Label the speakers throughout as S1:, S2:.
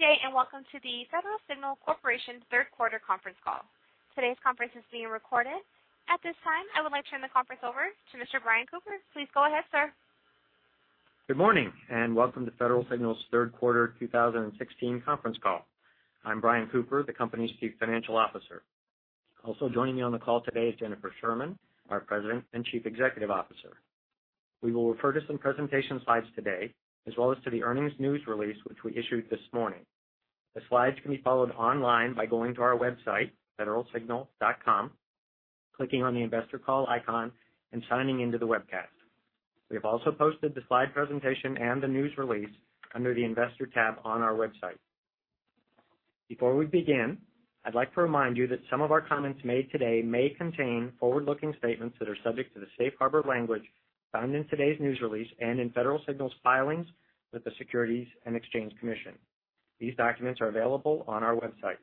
S1: Good day, and welcome to the Federal Signal Corporation's third quarter conference call. Today's conference is being recorded. At this time, I would like to turn the conference over to Mr. Brian Cooper. Please go ahead, sir.
S2: Good morning, welcome to Federal Signal's third quarter 2016 conference call. I'm Brian Cooper, the company's chief financial officer. Also joining me on the call today is Jennifer Sherman, our president and chief executive officer. We will refer to some presentation slides today, as well as to the earnings news release, which we issued this morning. The slides can be followed online by going to our website, federalsignal.com, clicking on the Investor Call icon, signing in to the webcast. We have also posted the slide presentation and the news release under the Investor tab on our website. Before we begin, I'd like to remind you that some of our comments made today may contain forward-looking statements that are subject to the safe harbor language found in today's news release and in Federal Signal's filings with the Securities and Exchange Commission. These documents are available on our website.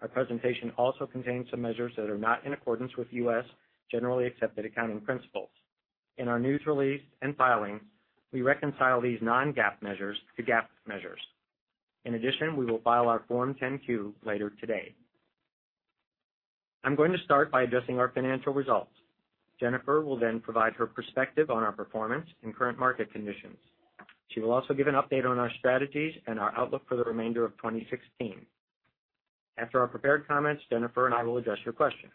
S2: Our presentation also contains some measures that are not in accordance with US generally accepted accounting principles. In our news release and filings, we reconcile these non-GAAP measures to GAAP measures. In addition, we will file our Form 10-Q later today. I'm going to start by addressing our financial results. Jennifer will provide her perspective on our performance and current market conditions. She will also give an update on our strategies and our outlook for the remainder of 2016. After our prepared comments, Jennifer and I will address your questions.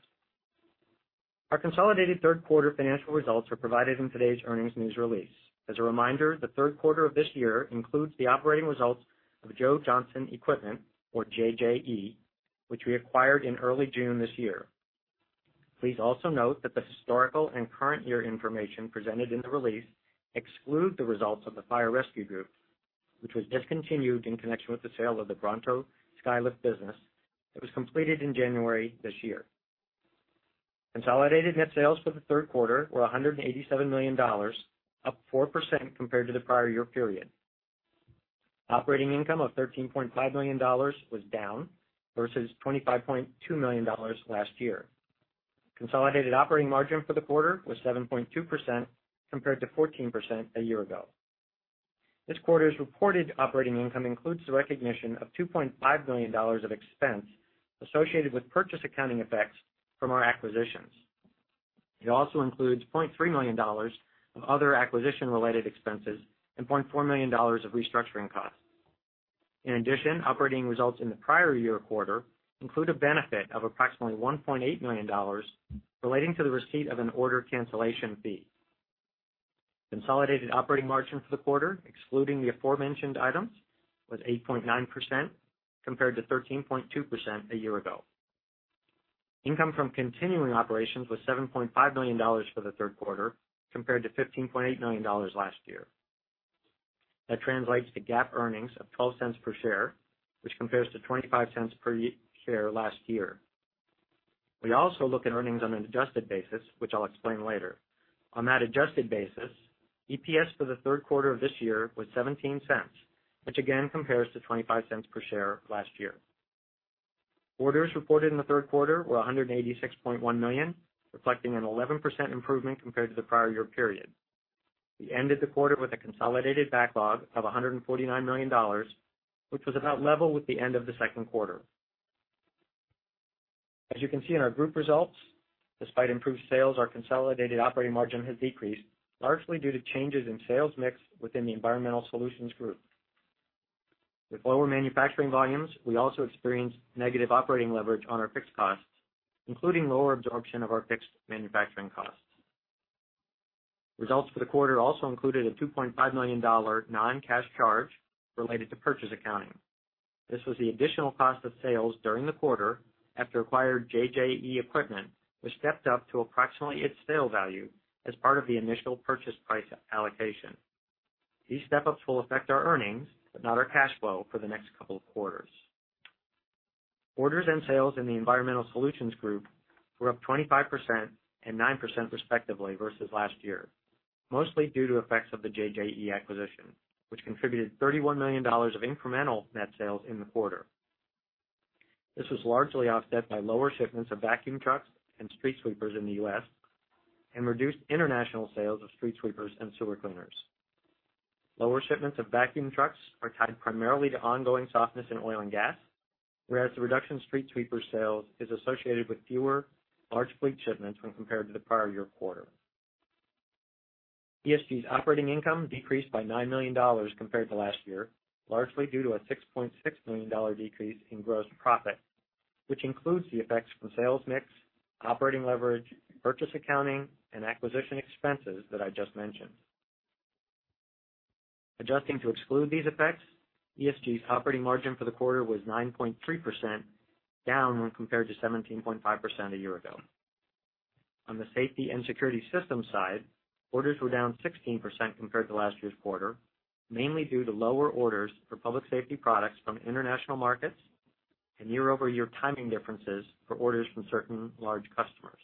S2: Our consolidated third-quarter financial results are provided in today's earnings news release. As a reminder, the third quarter of this year includes the operating results of Joe Johnson Equipment, or JJE, which we acquired in early June this year. Please also note that the historical and current year information presented in the release exclude the results of the Fire Rescue Group, which was discontinued in connection with the sale of the Bronto Skylift business that was completed in January this year. Consolidated net sales for the third quarter were $187 million, up 4% compared to the prior-year period. Operating income of $13.5 million was down versus $25.2 million last year. Consolidated operating margin for the quarter was 7.2% compared to 14% a year ago. This quarter's reported operating income includes the recognition of $2.5 million of expense associated with purchase accounting effects from our acquisitions. It also includes $0.3 million of other acquisition-related expenses and $0.4 million of restructuring costs. In addition, operating results in the prior year quarter include a benefit of approximately $1.8 million relating to the receipt of an order cancellation fee. Consolidated operating margin for the quarter, excluding the aforementioned items, was 8.9% compared to 13.2% a year ago. Income from continuing operations was $7.5 million for the third quarter, compared to $15.8 million last year. That translates to GAAP earnings of $0.12 per share, which compares to $0.25 per share last year. We also look at earnings on an adjusted basis, which I'll explain later. On that adjusted basis, EPS for the third quarter of this year was $0.17, which again compares to $0.25 per share last year. Orders reported in the third quarter were $186.1 million, reflecting an 11% improvement compared to the prior year period. We ended the quarter with a consolidated backlog of $149 million, which was about level with the end of the second quarter. As you can see in our group results, despite improved sales, our consolidated operating margin has decreased, largely due to changes in sales mix within the Environmental Solutions Group. With lower manufacturing volumes, we also experienced negative operating leverage on our fixed costs, including lower absorption of our fixed manufacturing costs. Results for the quarter also included a $2.5 million non-cash charge related to purchase accounting. This was the additional cost of sales during the quarter after acquired JJE equipment was stepped up to approximately its sale value as part of the initial purchase price allocation. These step-ups will affect our earnings, but not our cash flow for the next couple of quarters. Orders and sales in the Environmental Solutions Group were up 25% and 9% respectively versus last year, mostly due to effects of the JJE acquisition, which contributed $31 million of incremental net sales in the quarter. This was largely offset by lower shipments of vacuum trucks and street sweepers in the U.S. and reduced international sales of street sweepers and sewer cleaners. Lower shipments of vacuum trucks are tied primarily to ongoing softness in oil and gas, whereas the reduction in street sweeper sales is associated with fewer large fleet shipments when compared to the prior year quarter. ESG's operating income decreased by $9 million compared to last year, largely due to a $6.6 million decrease in gross profit, which includes the effects from sales mix, operating leverage, purchase accounting, and acquisition expenses that I just mentioned. Adjusting to exclude these effects, ESG's operating margin for the quarter was 9.3%, down when compared to 17.5% a year ago. On the Safety and Security Systems side, orders were down 16% compared to last year's quarter, mainly due to lower orders for public safety products from international markets and year-over-year timing differences for orders from certain large customers.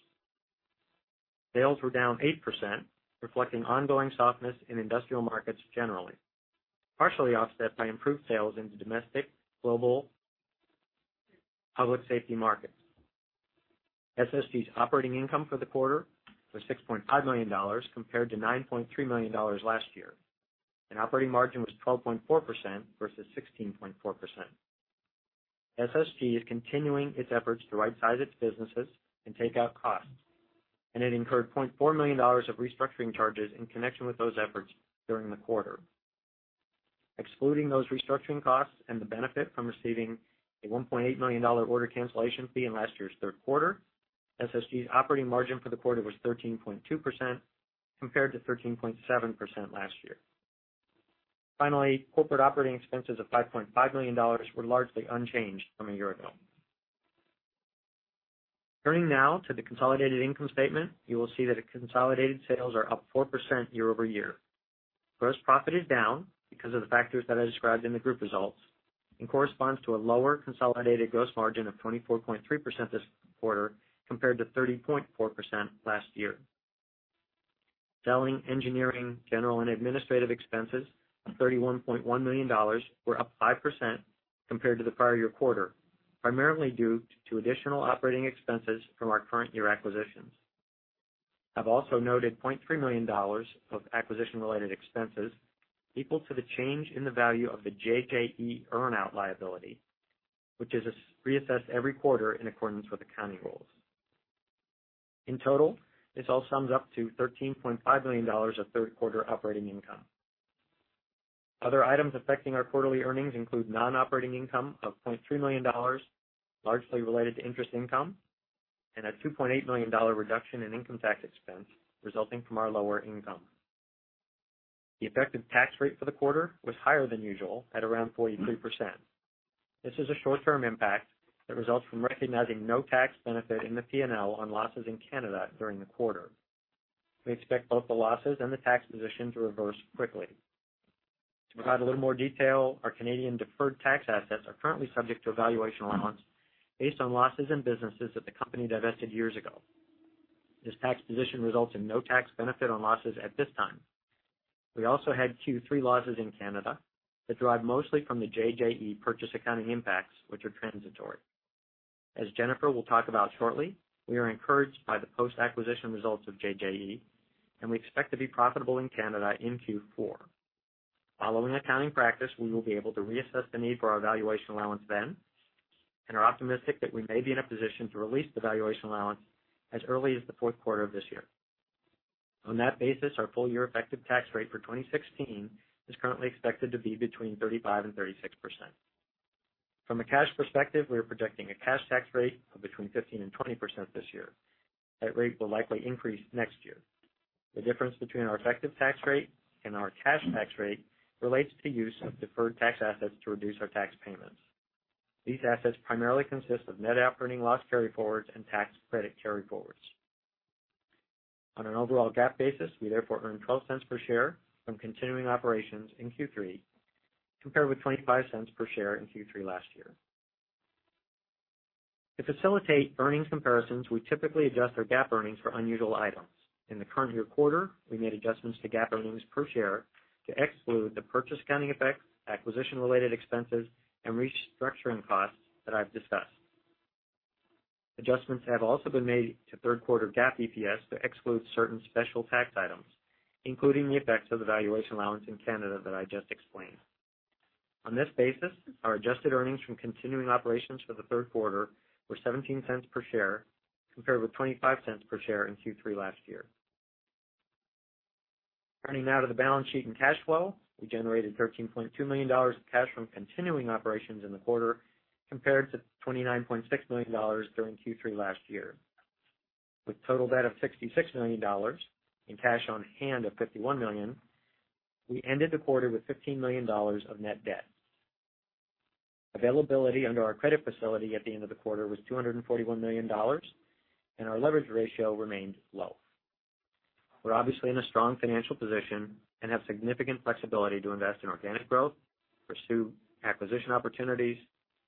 S2: Sales were down 8%, reflecting ongoing softness in industrial markets generally, partially offset by improved sales into domestic, global public safety market. SSG's operating income for the quarter was $6.5 million compared to $9.3 million last year, and operating margin was 12.4% versus 16.4%. SSG is continuing its efforts to right size its businesses and take out costs, and it incurred $0.4 million of restructuring charges in connection with those efforts during the quarter. Excluding those restructuring costs and the benefit from receiving a $1.8 million order cancellation fee in last year's third quarter, SSG's operating margin for the quarter was 13.2% compared to 13.7% last year. Corporate operating expenses of $5.5 million were largely unchanged from a year ago. Turning now to the consolidated income statement, you will see that its consolidated sales are up 4% year-over-year. Gross profit is down because of the factors that I described in the group results and corresponds to a lower consolidated gross margin of 24.3% this quarter compared to 30.4% last year. Selling, engineering, general and administrative expenses of $31.1 million were up 5% compared to the prior year quarter, primarily due to additional operating expenses from our current year acquisitions. I've also noted $0.3 million of acquisition-related expenses equal to the change in the value of the JJE earn-out liability, which is reassessed every quarter in accordance with accounting rules. In total, this all sums up to $13.5 million of third quarter operating income. Other items affecting our quarterly earnings include non-operating income of $0.3 million, largely related to interest income, and a $2.8 million reduction in income tax expense resulting from our lower income. The effective tax rate for the quarter was higher than usual at around 43%. This is a short-term impact that results from recognizing no tax benefit in the P&L on losses in Canada during the quarter. We expect both the losses and the tax position to reverse quickly. To provide a little more detail, our Canadian deferred tax assets are currently subject to a valuation allowance based on losses in businesses that the company divested years ago. This tax position results in no tax benefit on losses at this time. We also had Q3 losses in Canada that drive mostly from the JJE purchase accounting impacts, which are transitory. As Jennifer will talk about shortly, we are encouraged by the post-acquisition results of JJE, and we expect to be profitable in Canada in Q4. Following accounting practice, we will be able to reassess the need for our valuation allowance then, and are optimistic that we may be in a position to release the valuation allowance as early as the fourth quarter of this year. On that basis, our full-year effective tax rate for 2016 is currently expected to be between 35% and 36%. From a cash perspective, we are projecting a cash tax rate of between 15% and 20% this year. That rate will likely increase next year. The difference between our effective tax rate and our cash tax rate relates to use of deferred tax assets to reduce our tax payments. These assets primarily consist of net operating loss carryforwards and tax credit carryforwards. On an overall GAAP basis, we therefore earn $0.12 per share from continuing operations in Q3, compared with $0.25 per share in Q3 last year. To facilitate earnings comparisons, we typically adjust our GAAP earnings for unusual items. In the current year quarter, we made adjustments to GAAP earnings per share to exclude the purchase accounting effects, acquisition-related expenses, and restructuring costs that I've discussed. Adjustments have also been made to third quarter GAAP EPS to exclude certain special tax items, including the effects of the valuation allowance in Canada that I just explained. On this basis, our adjusted earnings from continuing operations for the third quarter were $0.17 per share, compared with $0.25 per share in Q3 last year. Turning now to the balance sheet and cash flow. We generated $13.2 million of cash from continuing operations in the quarter, compared to $29.6 million during Q3 last year. With total debt of $66 million and cash on hand of $51 million, we ended the quarter with $15 million of net debt. Availability under our credit facility at the end of the quarter was $241 million, and our leverage ratio remained low. We're obviously in a strong financial position and have significant flexibility to invest in organic growth, pursue acquisition opportunities,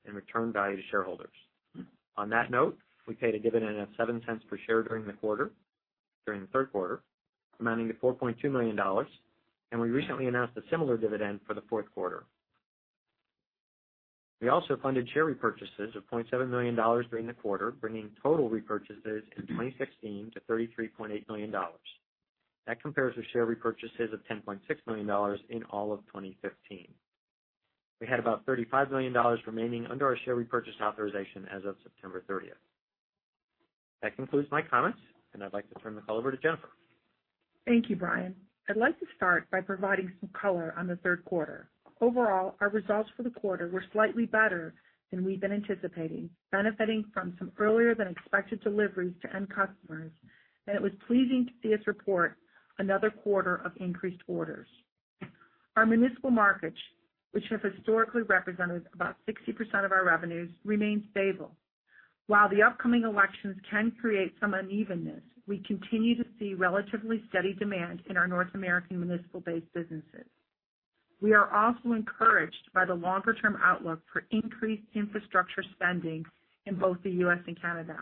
S2: and return value to shareholders. On that note, we paid a dividend of $0.07 per share during the quarter, during the third quarter, amounting to $4.2 million, and we recently announced a similar dividend for the fourth quarter. We also funded share repurchases of $0.7 million during the quarter, bringing total repurchases in 2016 to $33.8 million. That compares with share repurchases of $10.6 million in all of 2015. We had about $35 million remaining under our share repurchase authorization as of September 30th. That concludes my comments, and I'd like to turn the call over to Jennifer.
S3: Thank you, Brian. I'd like to start by providing some color on the third quarter. Overall, our results for the quarter were slightly better than we've been anticipating, benefiting from some earlier than expected deliveries to end customers, and it was pleasing to see us report another quarter of increased orders. Our municipal markets, which have historically represented about 60% of our revenues, remain stable. While the upcoming elections can create some unevenness, we continue to see relatively steady demand in our North American municipal-based businesses. We are also encouraged by the longer-term outlook for increased infrastructure spending in both the U.S. and Canada.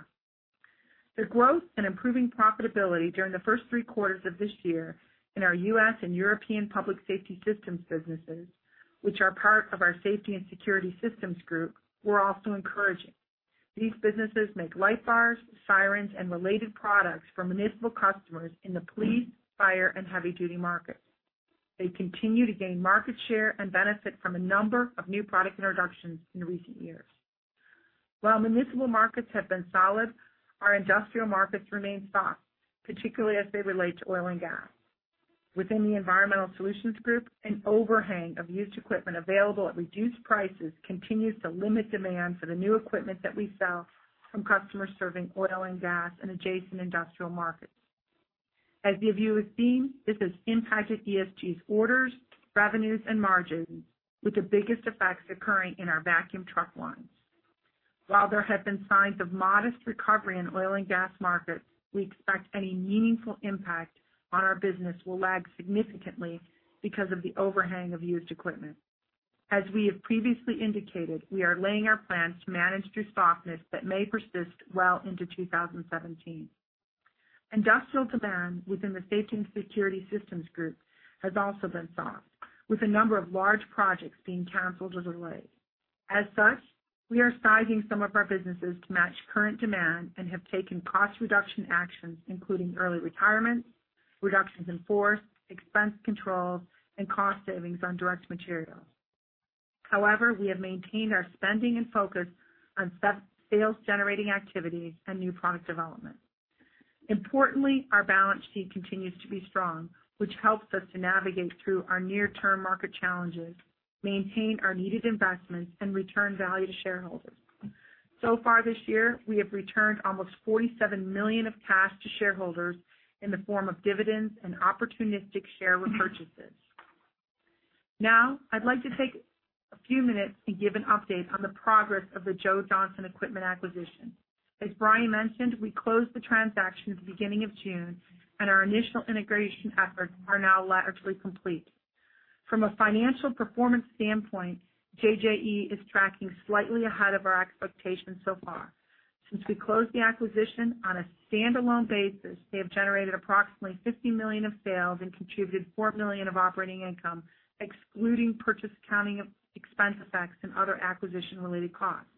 S3: The growth and improving profitability during the first three quarters of this year in our U.S. and European Public Safety Systems businesses, which are part of our Safety and Security Systems Group, were also encouraging. These businesses make light bars, sirens, and related products for municipal customers in the police, fire, and heavy-duty markets. They continue to gain market share and benefit from a number of new product introductions in recent years. While municipal markets have been solid, our industrial markets remain soft, particularly as they relate to oil and gas. Within the Environmental Solutions Group, an overhang of used equipment available at reduced prices continues to limit demand for the new equipment that we sell from customers serving oil and gas and adjacent industrial markets. As you have seen, this has impacted ESG's orders, revenues, and margins, with the biggest effects occurring in our vacuum truck lines. While there have been signs of modest recovery in oil and gas markets, we expect any meaningful impact on our business will lag significantly because of the overhang of used equipment. As we have previously indicated, we are laying our plans to manage through softness that may persist well into 2017. Industrial demand within the Safety and Security Systems Group has also been soft, with a number of large projects being canceled or delayed. As such, we are sizing some of our businesses to match current demand and have taken cost reduction actions, including early retirements, reductions in force, expense controls, and cost savings on direct materials. However, we have maintained our spending and focus on sales-generating activities and new product development. Importantly, our balance sheet continues to be strong, which helps us to navigate through our near-term market challenges, maintain our needed investments, and return value to shareholders. So far this year, we have returned almost $47 million of cash to shareholders in the form of dividends and opportunistic share repurchases. Now, I'd like to take a few minutes to give an update on the progress of the Joe Johnson Equipment acquisition. As Brian mentioned, we closed the transaction at the beginning of June, and our initial integration efforts are now largely complete. From a financial performance standpoint, JJE is tracking slightly ahead of our expectations so far. Since we closed the acquisition, on a standalone basis, they have generated approximately $50 million of sales and contributed $4 million of operating income, excluding purchase accounting expense effects and other acquisition-related costs.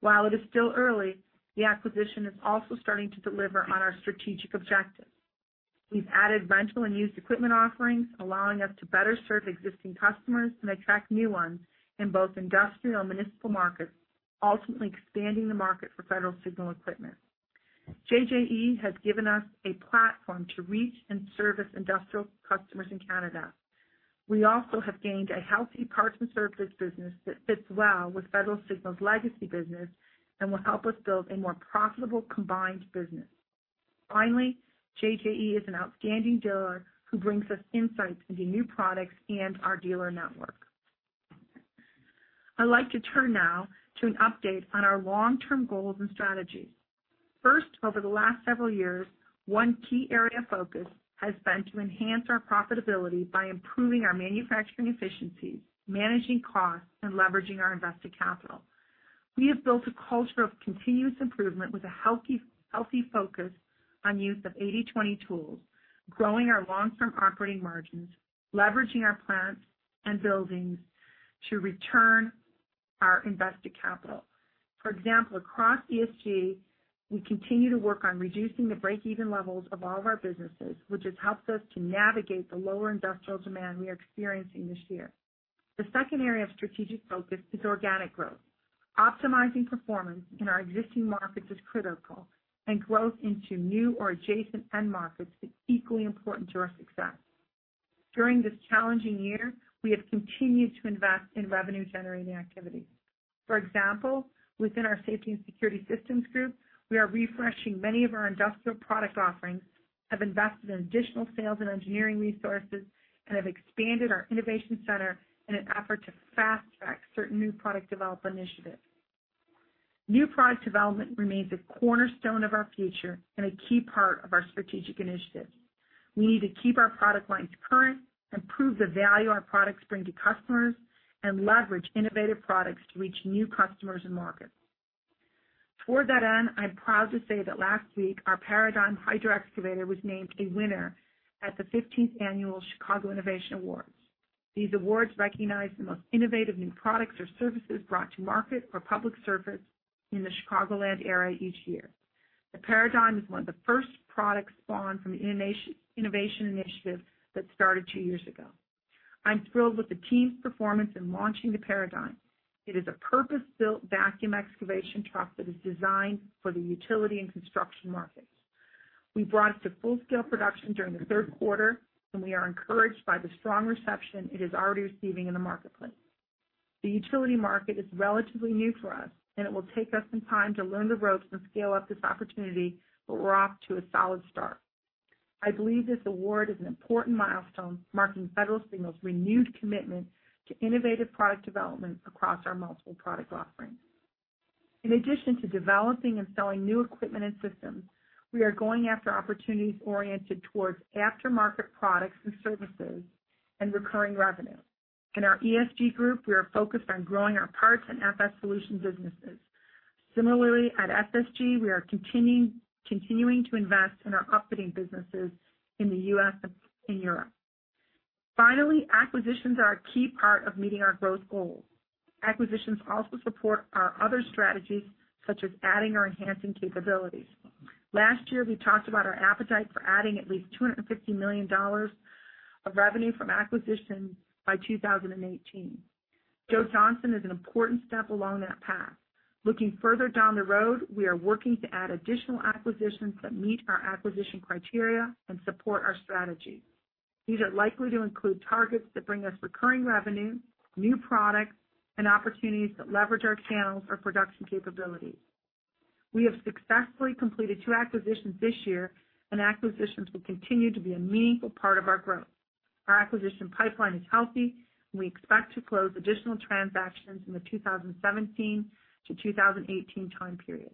S3: While it is still early, the acquisition is also starting to deliver on our strategic objectives. We've added rental and used equipment offerings, allowing us to better serve existing customers and attract new ones in both industrial and municipal markets, ultimately expanding the market for Federal Signal equipment. JJE has given us a platform to reach and service industrial customers in Canada. We also have gained a healthy parts and services business that fits well with Federal Signal's legacy business and will help us build a more profitable combined business. Finally, JJE is an outstanding dealer who brings us insights into new products and our dealer network. I'd like to turn now to an update on our long-term goals and strategies. First, over the last several years, one key area of focus has been to enhance our profitability by improving our manufacturing efficiencies, managing costs, and leveraging our invested capital. We have built a culture of continuous improvement with a healthy focus on use of 80/20 tools, growing our long-term operating margins, leveraging our plants and buildings to return our invested capital. For example, across ESG, we continue to work on reducing the break-even levels of all of our businesses, which has helped us to navigate the lower industrial demand we are experiencing this year. The second area of strategic focus is organic growth. Optimizing performance in our existing markets is critical, and growth into new or adjacent end markets is equally important to our success. During this challenging year, we have continued to invest in revenue-generating activities. For example, within our Safety and Security Systems Group, we are refreshing many of our industrial product offerings, have invested in additional sales and engineering resources, and have expanded our innovation center in an effort to fast-track certain new product development initiatives. New product development remains a cornerstone of our future and a key part of our strategic initiatives. We need to keep our product lines current, improve the value our products bring to customers, and leverage innovative products to reach new customers and markets. Toward that end, I'm proud to say that last week, our ParaDIGm Hydro Excavator was named a winner at the 15th Annual Chicago Innovation Awards. These awards recognize the most innovative new products or services brought to market for public service in the Chicagoland area each year. The ParaDIGm is one of the first products spawned from the innovation initiative that started two years ago. I'm thrilled with the team's performance in launching the ParaDIGm. It is a purpose-built vacuum excavation truck that is designed for the utility and construction markets. We brought it to full-scale production during the third quarter, and we are encouraged by the strong reception it is already receiving in the marketplace. The utility market is relatively new for us. It will take us some time to learn the ropes and scale up this opportunity. We're off to a solid start. I believe this award is an important milestone, marking Federal Signal's renewed commitment to innovative product development across our multiple product offerings. In addition to developing and selling new equipment and systems, we are going after opportunities oriented towards aftermarket products and services and recurring revenue. In our ESG group, we are focused on growing our parts and FS Solutions businesses. Similarly, at SSG, we are continuing to invest in our upfitting businesses in the U.S. and Europe. Finally, acquisitions are a key part of meeting our growth goals. Acquisitions also support our other strategies, such as adding or enhancing capabilities. Last year, we talked about our appetite for adding at least $250 million of revenue from acquisition by 2018. Joe Johnson is an important step along that path. Looking further down the road, we are working to add additional acquisitions that meet our acquisition criteria and support our strategy. These are likely to include targets that bring us recurring revenue, new products, and opportunities that leverage our channels or production capabilities. We have successfully completed two acquisitions this year. Acquisitions will continue to be a meaningful part of our growth. Our acquisition pipeline is healthy. We expect to close additional transactions in the 2017 to 2018 time period.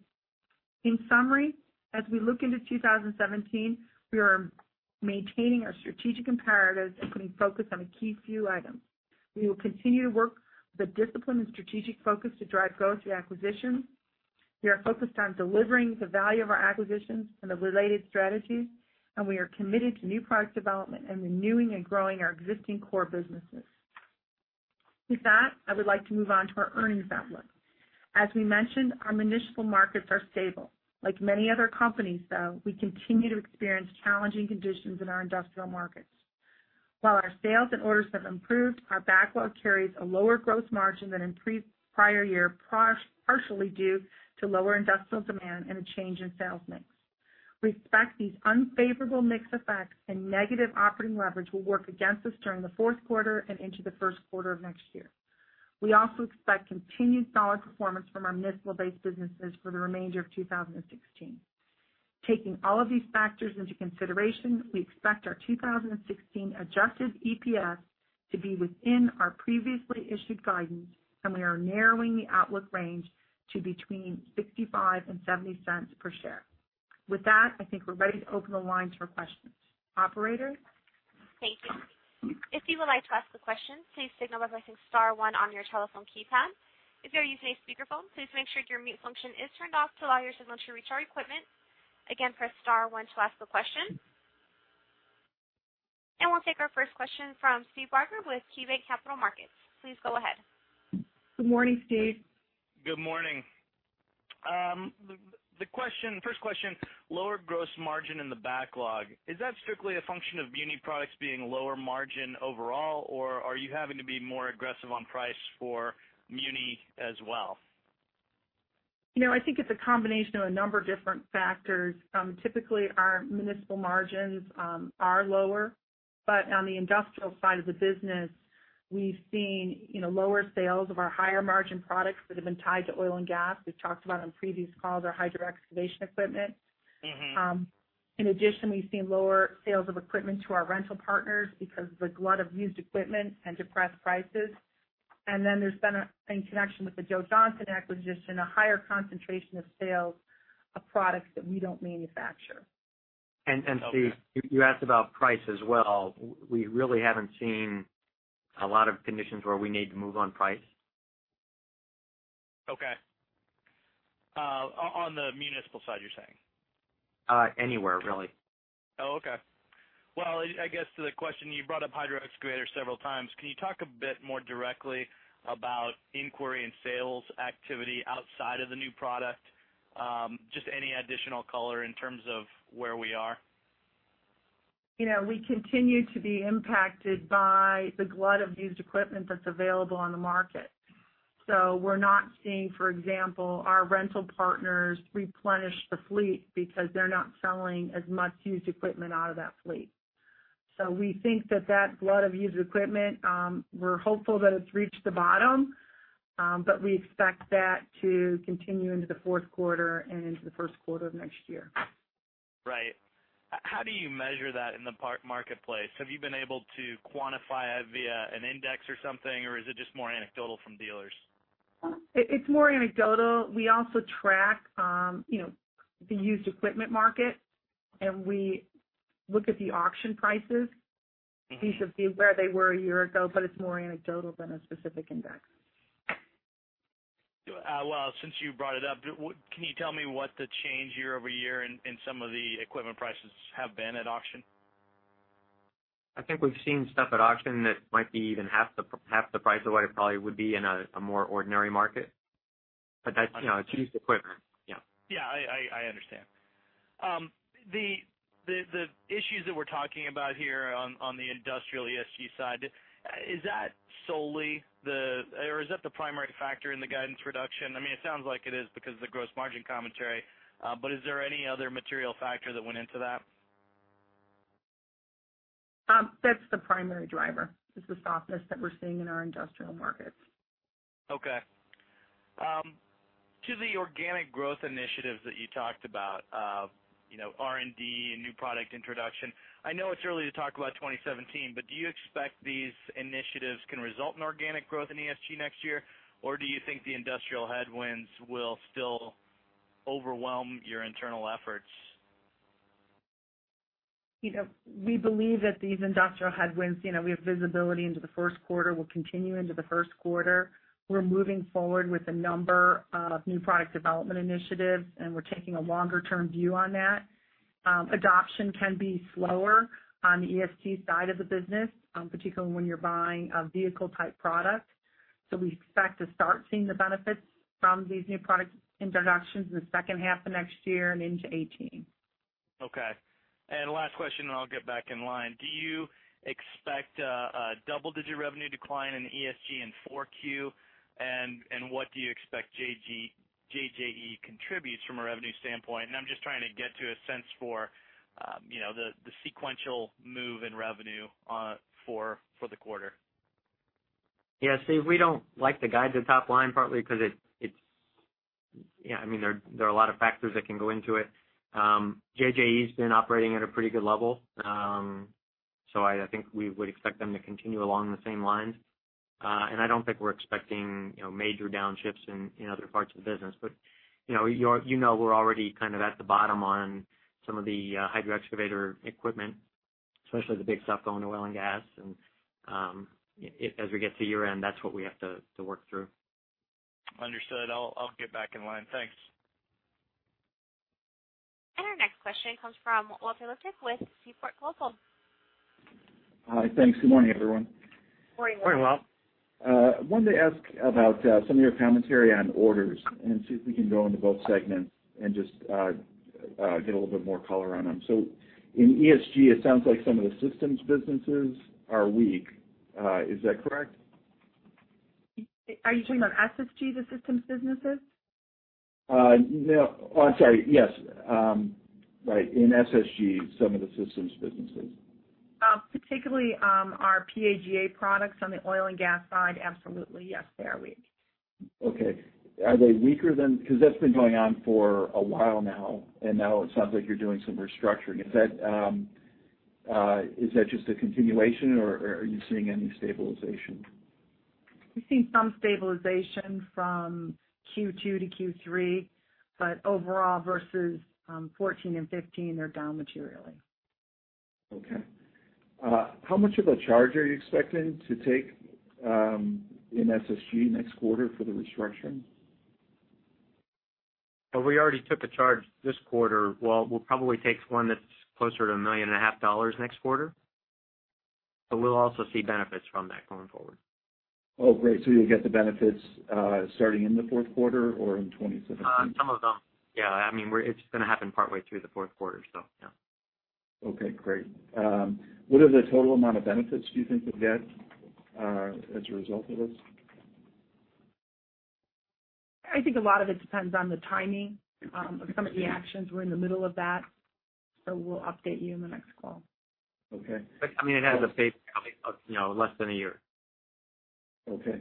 S3: In summary, as we look into 2017, we are maintaining our strategic imperatives and putting focus on a key few items. We will continue to work with a discipline and strategic focus to drive growth through acquisitions. We are focused on delivering the value of our acquisitions and the related strategies. We are committed to new product development and renewing and growing our existing core businesses. With that, I would like to move on to our earnings outlook. As we mentioned, our municipal markets are stable. Like many other companies, though, we continue to experience challenging conditions in our industrial markets. While our sales and orders have improved, our backlog carries a lower gross margin than in prior year, partially due to lower industrial demand and a change in sales mix. We expect these unfavorable mix effects and negative operating leverage will work against us during the fourth quarter and into the first quarter of next year. We also expect continued solid performance from our municipal-based businesses for the remainder of 2016. Taking all of these factors into consideration, we expect our 2016 adjusted EPS to be within our previously issued guidance. We are narrowing the outlook range to between $0.65 and $0.70 per share. With that, I think we're ready to open the lines for questions. Operator?
S1: Thank you. If you would like to ask a question, please signal by pressing star one on your telephone keypad. If you are using a speakerphone, please make sure your mute function is turned off to allow your signal to reach our equipment. Again, press star one to ask the question. We'll take our first question from Steve Barger with KeyBanc Capital Markets. Please go ahead.
S3: Good morning, Steve.
S4: Good morning. The first question, lower gross margin in the backlog. Is that strictly a function of muni products being lower margin overall, or are you having to be more aggressive on price for muni as well?
S3: I think it's a combination of a number of different factors. Typically, our municipal margins are lower, but on the industrial side of the business, we've seen lower sales of our higher margin products that have been tied to oil and gas. We've talked about on previous calls, our hydro-excavation equipment. In addition, we've seen lower sales of equipment to our rental partners because of the glut of used equipment and depressed prices. Then there's been, in connection with the Joe Johnson acquisition, a higher concentration of sales of products that we don't manufacture.
S4: Okay.
S2: Steve, you asked about price as well. We really haven't seen a lot of conditions where we need to move on price.
S4: Okay. On the municipal side, you're saying?
S2: Anywhere, really.
S4: Okay. Well, I guess to the question, you brought up hydro-excavator several times. Can you talk a bit more directly about inquiry and sales activity outside of the new product? Any additional color in terms of where we are.
S3: We continue to be impacted by the glut of used equipment that's available on the market. We're not seeing, for example, our rental partners replenish the fleet because they're not selling as much used equipment out of that fleet. We think that that glut of used equipment, we're hopeful that it's reached the bottom, but we expect that to continue into the fourth quarter and into the first quarter of next year.
S4: Right. How do you measure that in the marketplace? Have you been able to quantify it via an index or something, or is it just more anecdotal from dealers?
S3: It's more anecdotal. We also track the used equipment market, we look at the auction prices to see where they were a year ago, it's more anecdotal than a specific index.
S4: Well, since you brought it up, can you tell me what the change year-over-year in some of the equipment prices have been at auction?
S2: I think we've seen stuff at auction that might be even half the price of what it probably would be in a more ordinary market. That's used equipment. Yeah.
S4: Yeah, I understand. The issues that we're talking about here on the industrial ESG side, is that the primary factor in the guidance reduction? It sounds like it is because of the gross margin commentary. Is there any other material factor that went into that?
S3: That's the primary driver, is the softness that we're seeing in our industrial markets.
S4: Okay. To the organic growth initiatives that you talked about, R&D and new product introduction. I know it's early to talk about 2017, but do you expect these initiatives can result in organic growth in ESG next year, or do you think the industrial headwinds will still overwhelm your internal efforts?
S3: We believe that these industrial headwinds, we have visibility into the first quarter, will continue into the first quarter. We're moving forward with a number of new product development initiatives, and we're taking a longer-term view on that. Adoption can be slower on the ESG side of the business, particularly when you're buying a vehicle-type product. We expect to start seeing the benefits from these new product introductions in the second half of next year and into 2018.
S4: Okay. Last question, and I'll get back in line. Do you expect a double-digit revenue decline in ESG in 4Q? What do you expect JJE contributes from a revenue standpoint? I'm just trying to get to a sense for the sequential move in revenue for the quarter.
S2: Yeah, Steve, we don't like to guide the top line partly because there are a lot of factors that can go into it. JJE has been operating at a pretty good level. I think we would expect them to continue along the same lines. I don't think we're expecting major downshifts in other parts of the business. You know we're already kind of at the bottom on some of the hydro excavator equipment, especially the big stuff going to oil and gas. As we get to year-end, that's what we have to work through.
S4: Understood. I'll get back in line. Thanks.
S1: Our next question comes from Walt Liptak with Seaport Global.
S5: Hi. Thanks. Good morning, everyone.
S3: Morning, Walt.
S2: Morning, Walt.
S5: I wanted to ask about some of your commentary on orders and see if we can go into both segments and just get a little bit more color on them. In ESG, it sounds like some of the systems businesses are weak. Is that correct?
S3: Are you talking about SSG, the systems businesses?
S5: No. Oh, I'm sorry. Yes. Right. In SSG, some of the systems businesses.
S3: Particularly our PAGA products on the oil and gas side, absolutely. Yes, they are weak.
S5: Okay. Are they weaker than? That's been going on for a while now, and now it sounds like you're doing some restructuring. Is that just a continuation, or are you seeing any stabilization?
S3: We're seeing some stabilization from Q2 to Q3. Overall, versus 2014 and 2015, they're down materially.
S5: Okay. How much of a charge are you expecting to take in SSG next quarter for the restructuring?
S2: We already took a charge this quarter. Well, we'll probably take one that's closer to $1.5 million next quarter. We'll also see benefits from that going forward.
S5: Oh, great. You'll get the benefits starting in the fourth quarter or in 2017?
S2: Some of them. Yeah. It's going to happen partway through the fourth quarter. Yeah.
S5: Okay, great. What is the total amount of benefits do you think you'll get as a result of this?
S3: I think a lot of it depends on the timing of some of the actions. We're in the middle of that. We'll update you in the next call.
S5: Okay.
S2: It has a base of less than a year.
S5: Okay.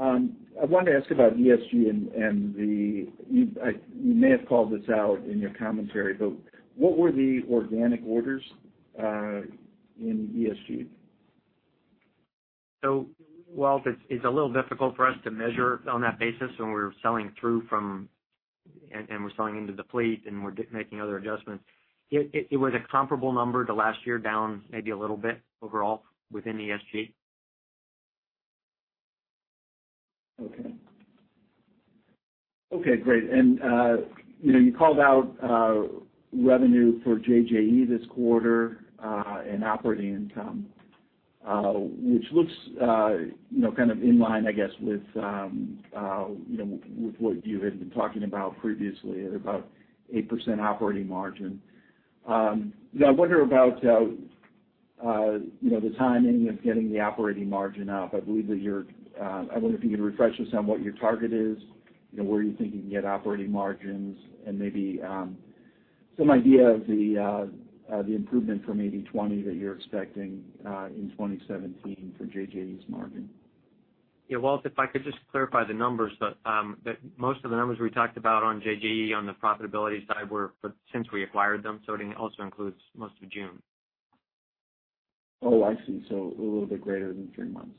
S5: I wanted to ask about ESG. You may have called this out in your commentary. What were the organic orders in ESG?
S2: While it's a little difficult for us to measure on that basis when we're selling into the fleet and we're making other adjustments. It was a comparable number to last year, down maybe a little bit overall within ESG.
S5: Okay. Okay, great. You called out revenue for JJE this quarter, and operating income, which looks kind of in line, I guess, with what you had been talking about previously, at about 8% operating margin. I wonder about the timing of getting the operating margin up. I wonder if you could refresh us on what your target is, where you think you can get operating margins, and maybe some idea of the improvement from 80-20 that you're expecting in 2017 for JJE's margin.
S2: Yeah, Walt, if I could just clarify the numbers, that most of the numbers we talked about on JJE on the profitability side were since we acquired them, it also includes most of June.
S5: Oh, I see. A little bit greater than three months.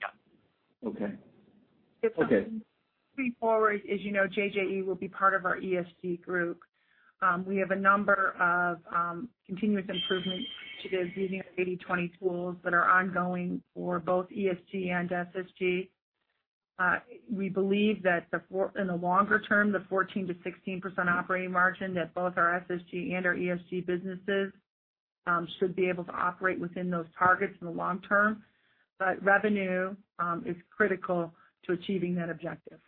S2: Yeah.
S5: Okay.
S3: If something going forward, as you know, JJE will be part of our ESG group. We have a number of continuous improvement initiatives using our 80/20 tools that are ongoing for both ESG and SSG. We believe that in the longer term, the 14%-16% operating margin that both our SSG and our ESG businesses should be able to operate within those targets in the long term, revenue is critical to achieving that objective.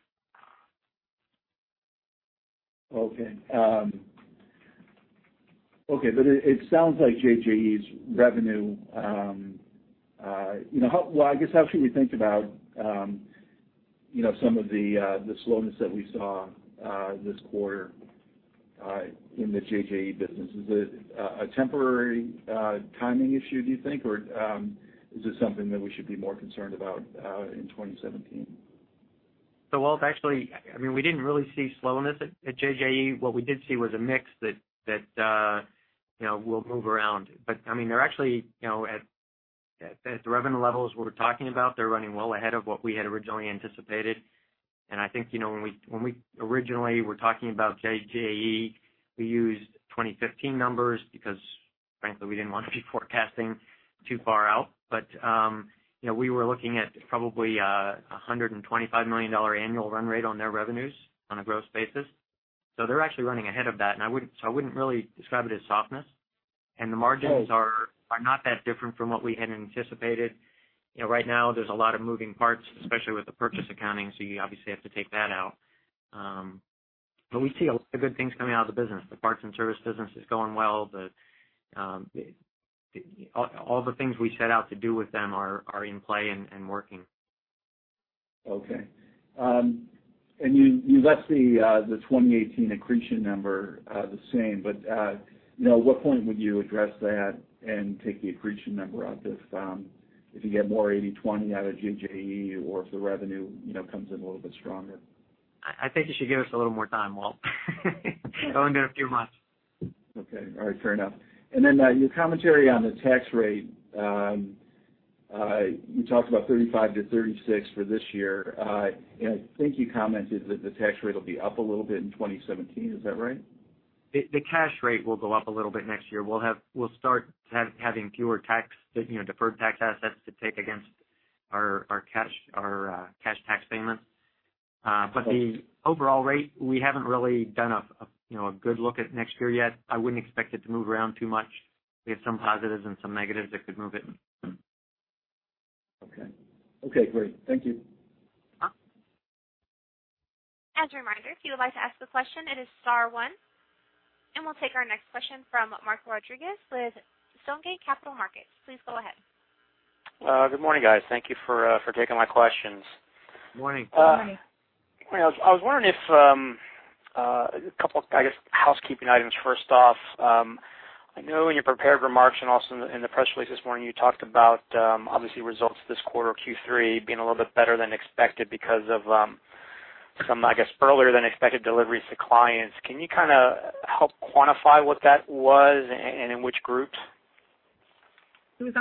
S5: Okay. It sounds like Well, I guess how should we think about some of the slowness that we saw this quarter in the JJE business. Is it a temporary timing issue, do you think, or is this something that we should be more concerned about in 2017?
S2: Walt, actually, we didn't really see slowness at JJE. What we did see was a mix that we'll move around. They're actually at the revenue levels we're talking about, they're running well ahead of what we had originally anticipated. I think when we originally were talking about JJE, we used 2015 numbers because frankly, we didn't want to be forecasting too far out. We were looking at probably $125 million annual run rate on their revenues on a gross basis. They're actually running ahead of that. I wouldn't really describe it as softness. The margins are not that different from what we had anticipated. Right now there's a lot of moving parts, especially with the purchase accounting, you obviously have to take that out. We see a lot of good things coming out of the business. The parts and service business is going well. All the things we set out to do with them are in play and working.
S5: Okay. You left the 2018 accretion number the same, but at what point would you address that and take the accretion number out if you get more 80/20 out of JJE or if the revenue comes in a little bit stronger?
S2: I think you should give us a little more time, Walt. It's only been a few months.
S5: Okay. All right. Fair enough. Your commentary on the tax rate. You talked about 35%-36% for this year. I think you commented that the tax rate will be up a little bit in 2017. Is that right?
S2: The cash rate will go up a little bit next year. We'll start having fewer deferred tax assets to take against our cash tax payments. The overall rate, we haven't really done a good look at next year yet. I wouldn't expect it to move around too much. We have some positives and some negatives that could move it.
S5: Okay. Great. Thank you.
S1: As a reminder, if you would like to ask the question, it is star one. We'll take our next question from Marco Rodriguez with Stonegate Capital Markets. Please go ahead.
S6: Good morning, guys. Thank you for taking my questions.
S2: Good morning.
S3: Good morning.
S6: I was wondering if, a couple, I guess, housekeeping items first off. I know in your prepared remarks and also in the press release this morning, you talked about obviously results this quarter, Q3, being a little bit better than expected because of some, I guess, earlier than expected deliveries to clients. Can you kind of help quantify what that was and in which groups?
S3: It was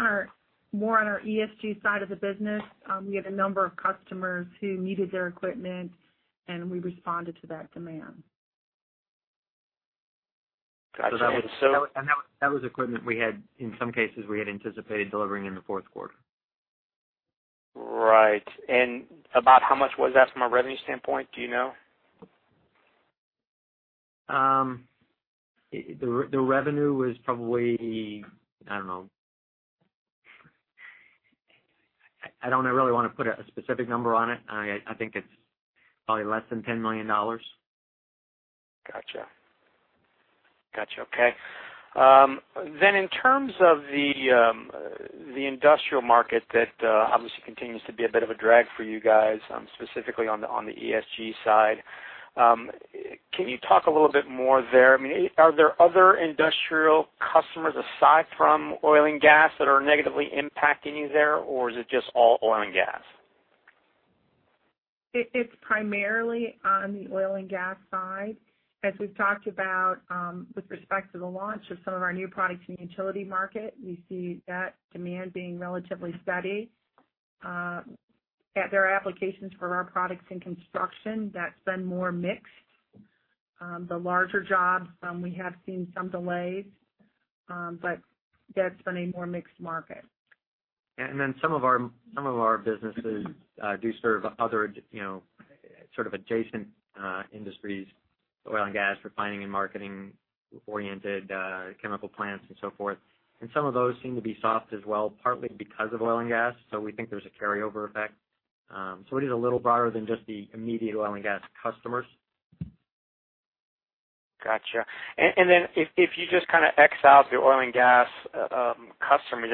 S3: more on our ESG side of the business. We had a number of customers who needed their equipment, and we responded to that demand.
S6: Got you.
S2: That was equipment we had, in some cases, we had anticipated delivering in the fourth quarter.
S6: Right. About how much was that from a revenue standpoint? Do you know?
S2: The revenue was probably, I don't know. I don't really want to put a specific number on it. I think it's probably less than $10 million.
S6: Got you. Okay. In terms of the industrial market, that obviously continues to be a bit of a drag for you guys, specifically on the ESG side. Can you talk a little bit more there? Are there other industrial customers aside from oil and gas that are negatively impacting you there, or is it just all oil and gas?
S3: It's primarily on the oil and gas side. As we've talked about with respect to the launch of some of our new products in the utility market, we see that demand being relatively steady. There are applications for our products in construction that's been more mixed. The larger jobs, we have seen some delays, but that's been a more mixed market.
S2: Some of our businesses do serve other sort of adjacent industries, oil and gas refining and marketing-oriented chemical plants and so forth. Some of those seem to be soft as well, partly because of oil and gas. We think there's a carryover effect. It is a little broader than just the immediate oil and gas customers.
S6: Got you. If you just kind of X out the oil and gas customers,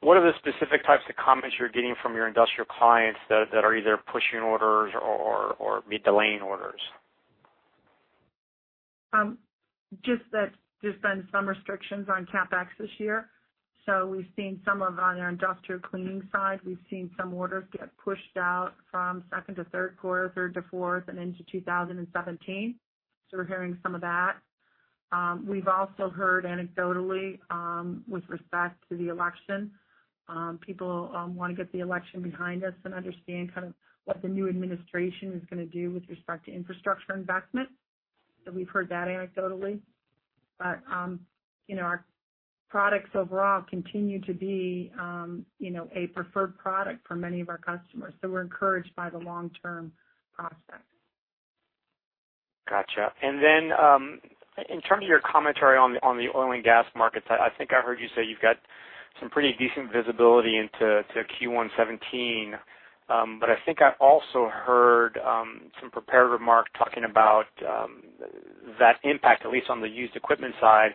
S6: what are the specific types of comments you're getting from your industrial clients that are either pushing orders or delaying orders?
S3: Just that there's been some restrictions on CapEx this year. We've seen some of on our industrial cleaning side. We've seen some orders get pushed out from second to third quarter, third to fourth, and into 2017. We're hearing some of that. We've also heard anecdotally with respect to the election. People want to get the election behind us and understand kind of what the new administration is going to do with respect to infrastructure investment. We've heard that anecdotally. Our products overall continue to be a preferred product for many of our customers, so we're encouraged by the long-term prospects.
S6: Got you. In terms of your commentary on the oil and gas markets, I think I heard you say you've got some pretty decent visibility into Q1 2017. I think I also heard some prepared remarks talking about that impact, at least on the used equipment side,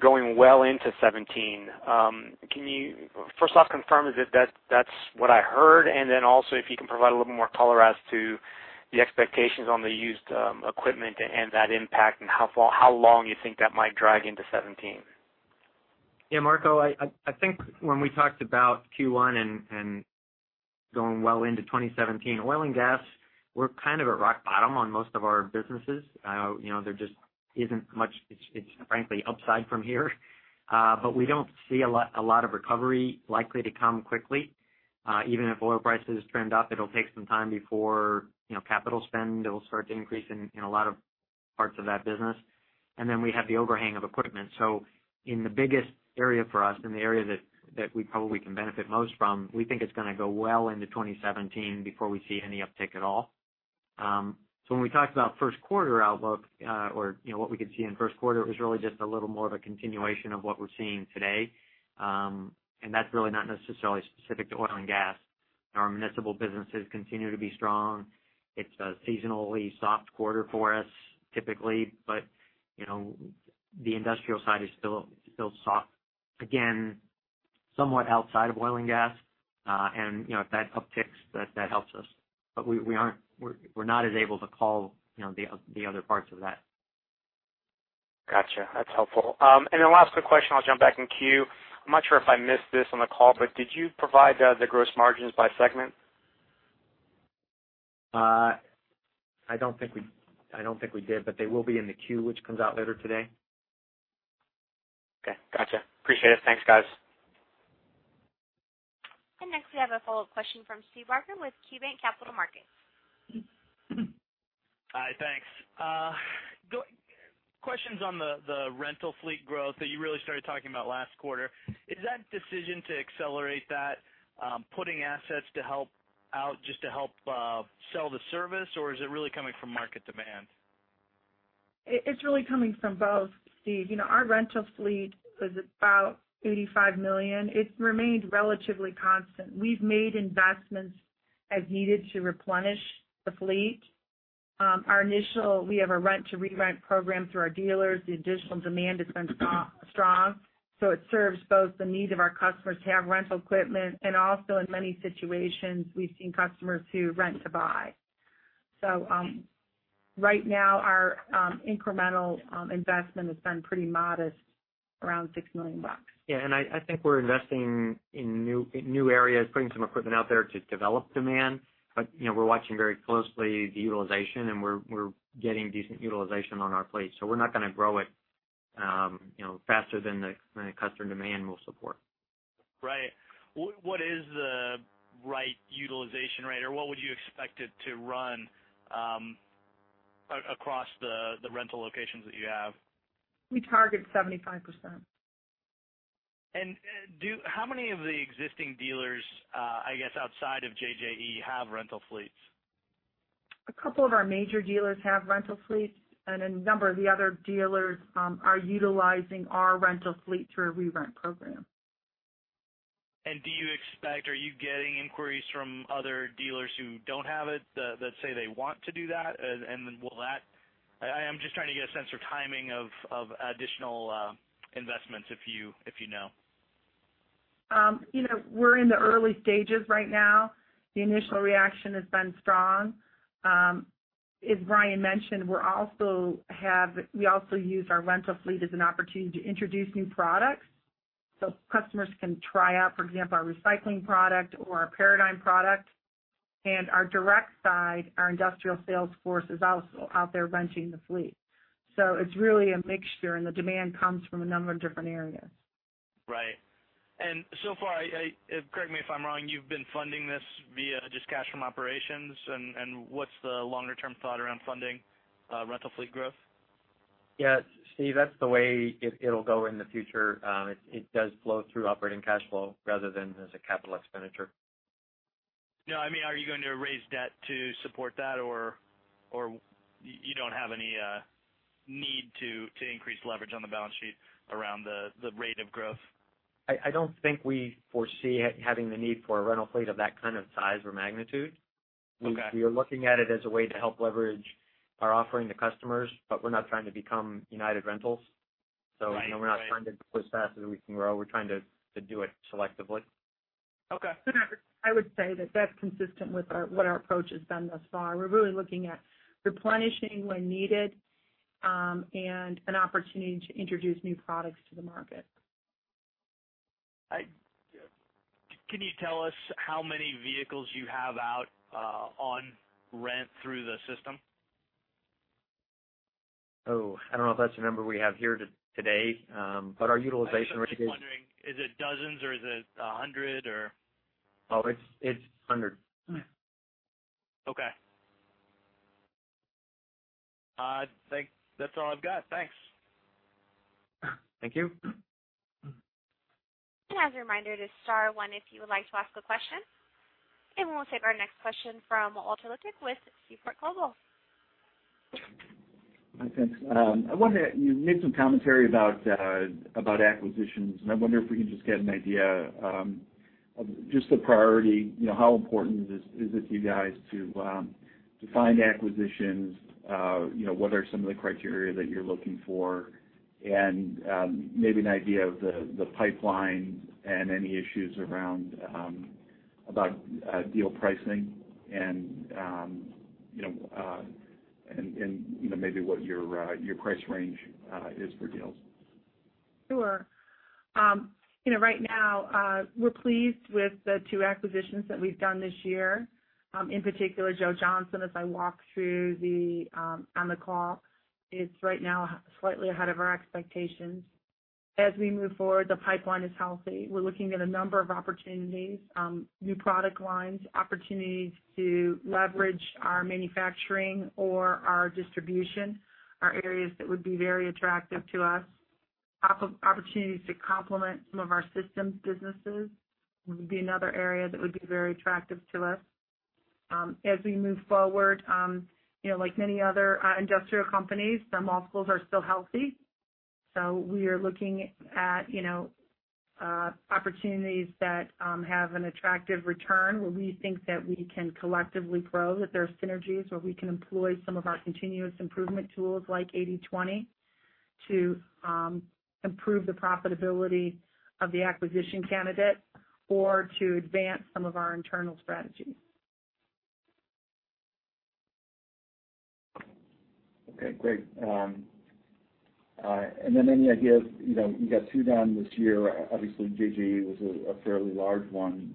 S6: going well into 2017. Can you first off confirm that that's what I heard? Then also if you can provide a little more color as to the expectations on the used equipment and that impact and how long you think that might drag into 2017.
S2: Yeah, Marco, I think when we talked about Q1 and going well into 2017. Oil and gas, we're kind of at rock bottom on most of our businesses. There just isn't much, it is frankly upside from here. We don't see a lot of recovery likely to come quickly. Even if oil prices trend up, it'll take some time before capital spend will start to increase in a lot of parts of that business. We have the overhang of equipment. In the biggest area for us, in the area that we probably can benefit most from, we think it's going to go well into 2017 before we see any uptick at all. When we talked about first quarter outlook or what we could see in first quarter, it was really just a little more of a continuation of what we're seeing today. That's really not necessarily specific to oil and gas. Our municipal businesses continue to be strong. It's a seasonally soft quarter for us, typically. The industrial side is still soft. Again, somewhat outside of oil and gas. If that upticks, that helps us. We're not as able to call the other parts of that.
S6: Got you. That's helpful. Last quick question, I'll jump back in queue. I'm not sure if I missed this on the call, but did you provide the gross margins by segment?
S2: I don't think we did. They will be in the queue, which comes out later today.
S6: Okay, got you. Appreciate it. Thanks, guys.
S1: Next we have a follow-up question from Steve Barger with KeyBanc Capital Markets.
S4: Hi, thanks. Questions on the rental fleet growth that you really started talking about last quarter. Is that decision to accelerate that putting assets to help out just to help sell the service, or is it really coming from market demand?
S3: It's really coming from both, Steve. Our rental fleet was about $85 million. It's remained relatively constant. We've made investments as needed to replenish the fleet. We have a rent-to-re-rent program through our dealers. The additional demand has been strong, so it serves both the needs of our customers to have rental equipment and also in many situations, we've seen customers who rent to buy. Right now, our incremental investment has been pretty modest, around $6 million.
S2: I think we're investing in new areas, putting some equipment out there to develop demand. We're watching very closely the utilization, and we're getting decent utilization on our fleet. We're not going to grow it faster than the customer demand will support.
S4: Right. What is the right utilization rate, or what would you expect it to run across the rental locations that you have?
S3: We target 75%.
S4: How many of the existing dealers, I guess outside of JJE, have rental fleets?
S3: A couple of our major dealers have rental fleets, and a number of the other dealers are utilizing our rental fleet through a re-rent program.
S4: Do you expect, are you getting inquiries from other dealers who don't have it that say they want to do that? I am just trying to get a sense for timing of additional investments if you know.
S3: We're in the early stages right now. The initial reaction has been strong. As Brian mentioned, we also use our rental fleet as an opportunity to introduce new products. Customers can try out, for example, our recycling product or our ParaDIGm product. Our direct side, our industrial sales force is also out there renting the fleet. It's really a mixture, and the demand comes from a number of different areas.
S4: So far, correct me if I'm wrong, you've been funding this via just cash from operations, and what's the longer-term thought around funding rental fleet growth?
S2: Yeah, Steve, that's the way it'll go in the future. It does flow through operating cash flow rather than as a capital expenditure.
S4: I mean, are you going to raise debt to support that, or you don't have any need to increase leverage on the balance sheet around the rate of growth?
S2: I don't think we foresee having the need for a rental fleet of that kind of size or magnitude.
S4: Okay.
S2: We are looking at it as a way to help leverage our offering to customers, but we're not trying to become United Rentals.
S4: Right.
S2: We're not trying to grow as fast as we can grow. We're trying to do it selectively.
S4: Okay.
S3: I would say that that's consistent with what our approach has been thus far. We're really looking at replenishing when needed, and an opportunity to introduce new products to the market.
S4: Can you tell us how many vehicles you have out on rent through the system?
S2: Oh, I don't know if that's a number we have here today. Our utilization rate is.
S4: I'm just wondering, is it dozens, or is it 100, or?
S2: Oh, it's 100.
S4: Okay. I think that's all I've got. Thanks.
S2: Thank you.
S1: As a reminder, it is star one if you would like to ask a question. We'll take our next question from Walter Liptak with Seaport Global.
S5: Hi, thanks. You made some commentary about acquisitions, and I wonder if we can just get an idea of just the priority. How important is it to you guys to find acquisitions? What are some of the criteria that you're looking for? Maybe an idea of the pipeline and any issues around deal pricing and maybe what your price range is for deals.
S3: Sure. Right now, we're pleased with the two acquisitions that we've done this year. In particular, Joe Johnson, as I walk through on the call, is right now slightly ahead of our expectations. As we move forward, the pipeline is healthy. We're looking at a number of opportunities. New product lines, opportunities to leverage our manufacturing or our distribution, are areas that would be very attractive to us. Opportunities to complement some of our systems businesses would be another area that would be very attractive to us. As we move forward, like many other industrial companies, the multiples are still healthy. We are looking at opportunities that have an attractive return, where we think that we can collectively grow, that there are synergies, where we can employ some of our continuous improvement tools, like 80/20, to improve the profitability of the acquisition candidate or to advance some of our internal strategies.
S5: Okay, great. Any idea of, you got two done this year, obviously JJE was a fairly large one.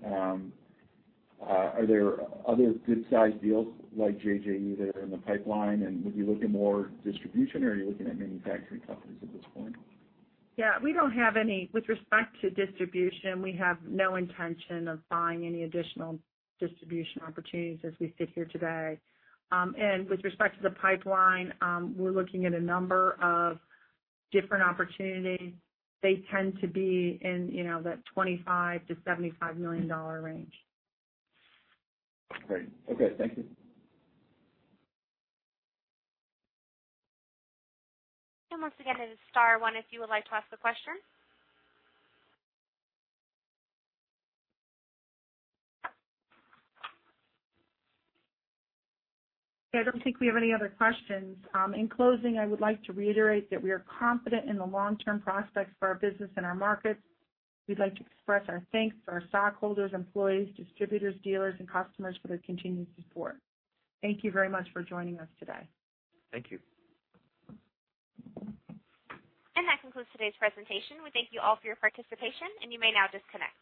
S5: Are there other good-sized deals like JJE that are in the pipeline? Would you look at more distribution, or are you looking at manufacturing companies at this point?
S3: Yeah, we don't have any. With respect to distribution, we have no intention of buying any additional distribution opportunities as we sit here today. With respect to the pipeline, we're looking at a number of different opportunities. They tend to be in that $25 million-$75 million range.
S5: Great. Okay. Thank you.
S1: Once again, it is star one if you would like to ask a question.
S3: Okay, I don't think we have any other questions. In closing, I would like to reiterate that we are confident in the long-term prospects for our business and our markets. We'd like to express our thanks to our stockholders, employees, distributors, dealers, and customers for their continued support. Thank you very much for joining us today.
S5: Thank you.
S1: That concludes today's presentation. We thank you all for your participation, and you may now disconnect.